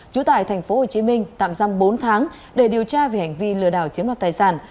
chủ tại tp hcm tạm giam bốn tháng để điều tra về hành vi lừa đảo chiếm đoạt tài sản